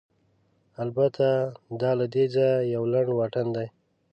البته، دا له دې ځایه یو لنډ واټن دی.